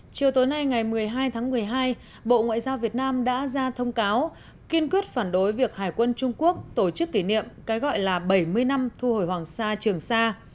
chiều tối nay ngày một mươi hai tháng một mươi hai bộ ngoại giao việt nam đã ra thông cáo kiên quyết phản đối việc hải quân trung quốc tổ chức kỷ niệm cái gọi là bảy mươi năm thu hồi hoàng sa trường sa